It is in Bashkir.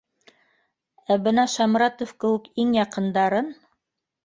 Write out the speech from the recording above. Ә бына Шамратов кеүек иң яҡындарын